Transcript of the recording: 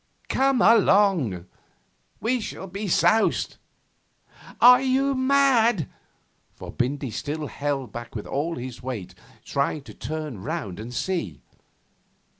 Come along. We shall be soused. Are you mad?' For Bindy still held back with all his weight, trying to turn round and see.